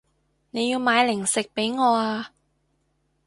你要買零食畀我啊